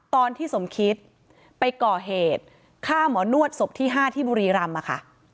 ตอนที่สมคิตไปก่อเหตุฆ่าหมอนวดศพที่๕ที่บุรีรำค่ะ